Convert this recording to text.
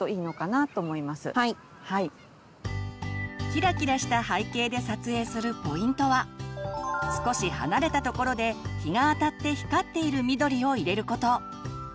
キラキラした背景で撮影するポイントは少し離れたところで日があたって光っている緑を入れること。